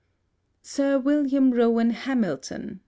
Sir William Rowan Hamilton (b.